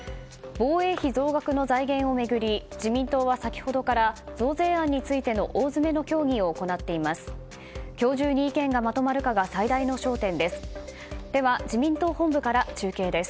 防衛費増額の財源を巡り自民党は先ほどから増税案についての大詰めの協議を行っています。